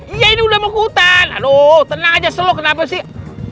iya ini udah mau hutan aduh tenang aja selok kenapa sih